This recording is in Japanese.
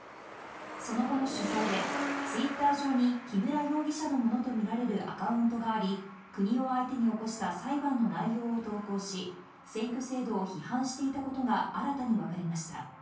その後の取材で、ツイッター上に木村容疑者のものとみられるアカウントがあり、国を相手に起こした裁判の内容を投稿し、選挙制度を批判していたことが新たに分かりました。